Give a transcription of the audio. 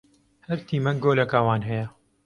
Her tîmek goleka wan heye.